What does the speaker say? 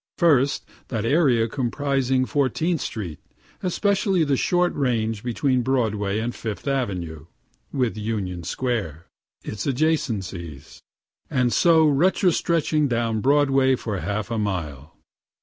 First: that area comprising Fourteenth street (especially the short range between Broadway and Fifth avenue) with Union square, its adjacencies, and so retrostretching down Broadway for half a mile.